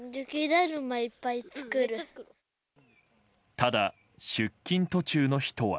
ただ、出勤途中の人は。